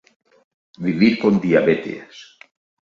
Vivir con diabetes